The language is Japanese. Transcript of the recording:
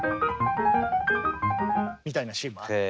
みたいなシーンもあって。